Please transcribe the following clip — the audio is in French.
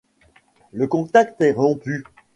Le contact est rompu.